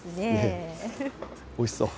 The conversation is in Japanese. おいしそう。